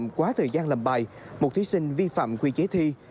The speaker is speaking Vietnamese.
quá thời gian làm bài một thí sinh vi phạm quy chế thi